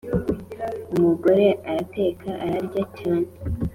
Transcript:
umugore arateka ararya cyane